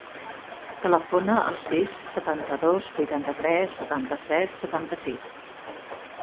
Telefona al sis, setanta-dos, vuitanta-tres, setanta-set, setanta-sis.